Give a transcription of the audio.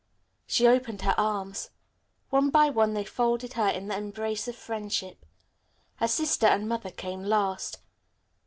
She opened her arms. One by one they folded her in the embrace of friendship. Her sister and mother came last.